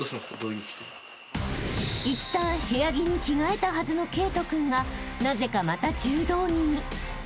［いったん部屋着に着替えたはずの慧登君がなぜかまた柔道着に］